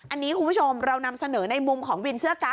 อันนี้คุณผู้ชมเรานำเสนอในมุมของวินเสื้อกั๊